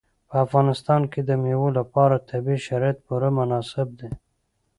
په افغانستان کې د مېوو لپاره طبیعي شرایط پوره مناسب دي.